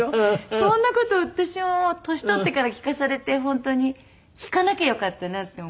そんな事私も年取ってから聞かされて本当に聞かなきゃよかったなって思うぐらい。